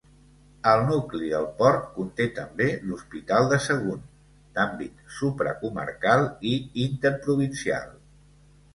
El nucli del Port conté també l'Hospital de Sagunt, d'àmbit supracomarcal i interprovincial.